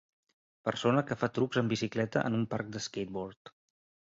Persona que fa trucs amb bicicleta en un parc de skateboard.